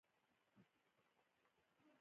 دا يو مثبت ګام دے